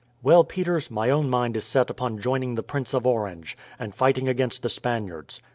"Well, Peters, my own mind is set upon joining the Prince of Orange, and fighting against the Spaniards.